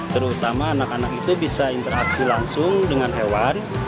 terutama anak anak itu bisa interaksi langsung dengan hewan